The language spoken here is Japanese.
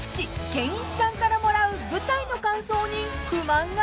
健一さんからもらう舞台の感想に不満があるようで］